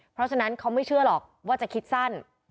เพราะฉะนั้นเขาไม่เชื่อหรอกว่าจะคิดสั้น